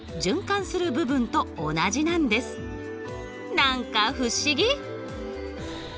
何か不思議！